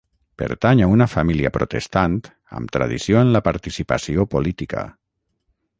Pertany a una família protestant amb tradició en la participació política.